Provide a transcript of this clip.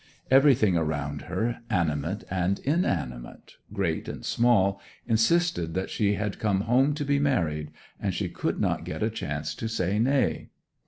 Everything around her, animate and inanimate, great and small, insisted that she had come home to be married; and she could not get a chance to say nay.